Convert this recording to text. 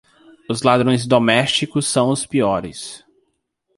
Os ladrões domésticos são os piores.